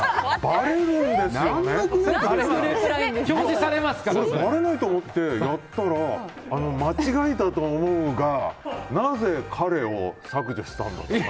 ばれないと思ってやったら間違えたと思うがなぜ彼を削除したんだとか。